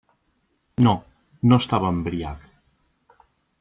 No, no estava embriac.